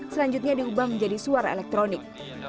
selanjutnya diubah menjadi suara elektronik